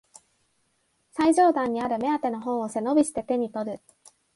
最上段にある目当ての本を背伸びして手にとる